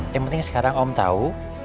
yang penting sekarang om tahu